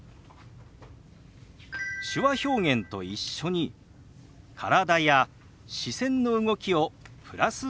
手話表現と一緒に体や視線の動きをプラスすることです。